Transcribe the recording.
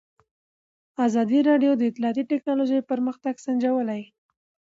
ازادي راډیو د اطلاعاتی تکنالوژي پرمختګ سنجولی.